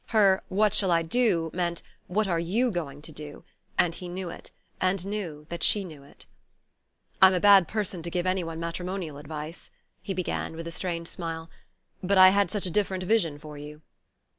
Her "What shall I do?" meant "What are you going to do?" and he knew it, and knew that she knew it. "I'm a bad person to give any one matrimonial advice," he began, with a strained smile; "but I had such a different vision for you."